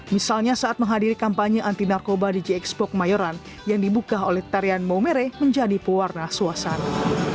misalnya saat menghadiri kampanye anti narkoba di jxpok mayoran yang dibuka oleh tarian maumere menjadi pewarna suasana